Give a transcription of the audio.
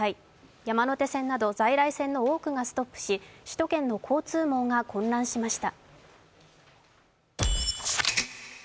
山手線など在来線の多くがストップし、首都圏の交通網が混乱しました。